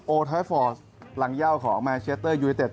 โอท้ายฟอร์สรังย่าวของแมนเชเตอร์ยูเนเต็ด